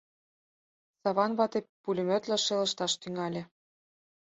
Саван вате пулемётла шелышташ тӱҥале.